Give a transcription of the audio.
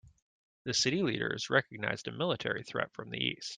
The city leaders recognized a military threat from the east.